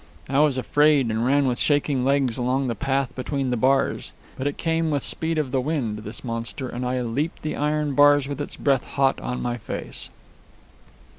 I was afraid and ran with shaking legs along the path between the bars. But it came with speed of the wind, this monster, and I leaped the iron bars with its breath hot on my face